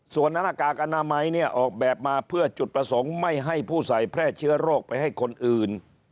ส่วนหน้ากากอนามัยเนี่ยออกแบบมาเพื่อจุดประสงค์ไม่ให้ผู้ใส่แพร่เชื้อโรคไปให้คนอื่น